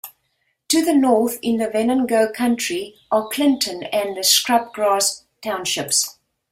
To the north, in Venango County, are Clinton and Scrubgrass townships.